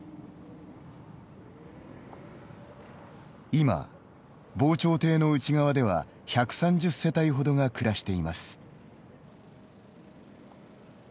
今、防潮堤の内側では１３０世帯ほどが暮らしています。